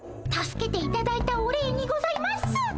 助けていただいたお礼にございます。